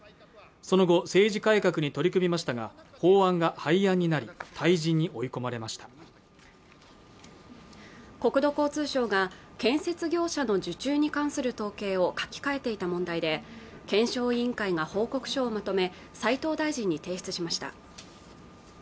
その後政治改革に取り組みましたが法案が廃案になり退陣に追い込まれました国土交通省が建設業者の受注に関する統計を書き換えていた問題で検証委員会が報告書をまとめ斉藤大臣に提出しました